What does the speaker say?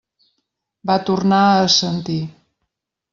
Va tornar a assentir.